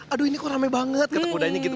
aduh ini kok rame banget kata kudanya gitu